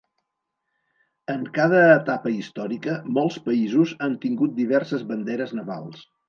En cada etapa històrica molts països han tingut diverses banderes navals.